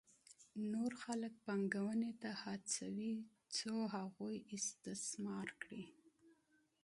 نور خلک پانګونې ته هڅوي څو هغوی استثمار کړي